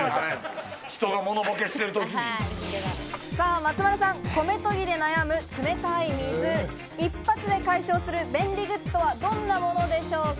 松丸さん、米研ぎで悩む冷たい水、一発で解消する便利グッズとはどんなものでしょうか？